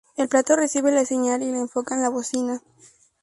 El plato recibe la señal y la enfoca en la bocina.